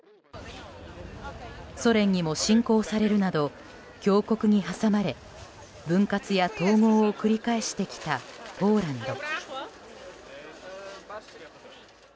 ソ連にも侵攻されるなど強国に挟まれ分割や統合を繰り返してきたポーランド。